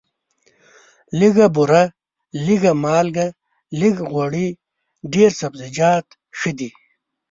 لږه بوره، لږه مالګه، لږ غوړي، ډېر سبزیجات ښه دي.